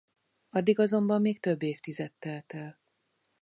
Addig azonban még több évtized telt el.